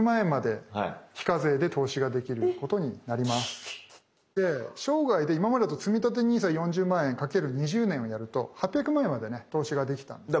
え⁉チャーンス！で生涯で今までだとつみたてＮＩＳＡ４０万円×２０年をやると８００万円までね投資ができたんですけど。